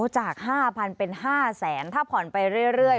จาก๕๐๐๐บาทเป็น๕๐๐๐บาทถ้าผ่อนไปเรื่อย